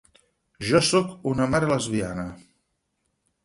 Jo soc una mare lesbiana.